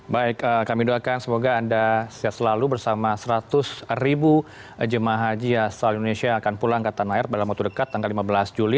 baik kami doakan semoga anda sehat selalu bersama seratus ribu jemaah haji asal indonesia yang akan pulang ke tanah air dalam waktu dekat tanggal lima belas juli